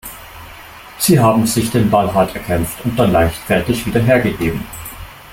Sie haben sich den Ball hart erkämpft und dann leichtfertig wieder hergegeben.